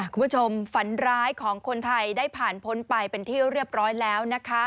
ฝันร้ายของคนไทยได้ผ่านพ้นไปเป็นที่เรียบร้อยแล้วนะคะ